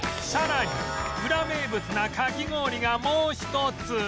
さらにウラ名物なかき氷がもう一つ